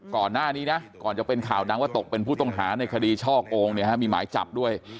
ก่อนหน้านี่นะก่อนจากเป็นข่าวนางว่าตกเป็นผู้ต้องคราศน์ในคดีช่อกโอ้งเนี่ยมีหมายจับด้วย